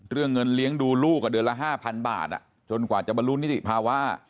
เรื่องเงินเลี้ยงดูลูกเดือนละ๕๐๐บาทจนกว่าจะบรรลุนิติภาวะ